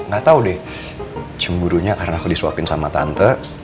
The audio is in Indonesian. gatau deh cemburunya karena aku disuapin sama tante